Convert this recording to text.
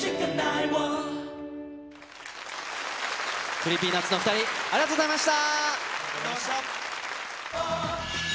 ＣｒｅｅｐｙＮｕｔｓのお２人ありがとうございました。